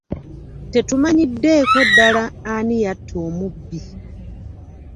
Tetumanyiddeeko ddala ani yatta omubbi.